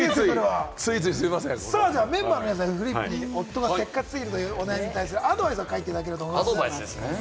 メンバーの皆さんには、夫がせっかち過ぎるというお悩みに対するアドバイスを書いていただければと思います。